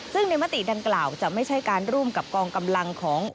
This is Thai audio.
ซึ่งในมติดังกล่าวจะไม่ใช่การร่วมกับกองกำลังของ